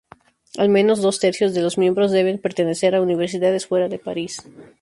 Al menos dos tercios de los miembros deben pertenecer a universidades fuera de París.